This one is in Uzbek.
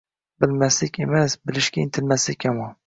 Bilmaslik emas, bilishga intilmaslik yomon.